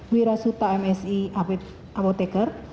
wira suta msi apotekar